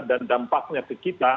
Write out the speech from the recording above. dan dampaknya ke kita